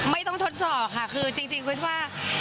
ไม่ต้องทดสอบค่ะคือจริงคุณก็คิดว่า